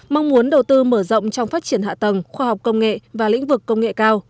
mong muốn đầu tư mở rộng trong phát triển hạ tầng khoa học công nghệ và lĩnh vực công nghệ cao